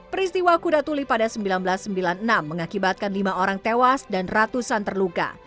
peristiwa kuda tuli pada seribu sembilan ratus sembilan puluh enam mengakibatkan lima orang tewas dan ratusan terluka